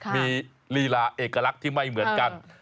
มีลีลาเอกลักษณ์ที่ไม่เหมือนกัน